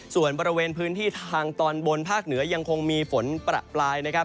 ส่วนบริเวณพื้นที่ทางตอนบนภาคเหนือยังคงมีฝนประปรายนะครับ